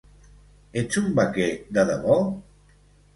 Ets un vaquer de debò?